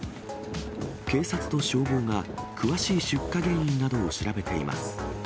警察と消防が詳しい出火原因などを調べています。